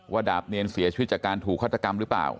ดาบเนรเสียชีวิตจากการถูกฆาตกรรมหรือเปล่า